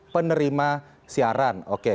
penerima siaran oke